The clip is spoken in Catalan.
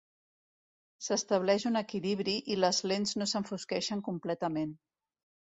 S'estableix un equilibri i les lents no s'enfosqueixen completament.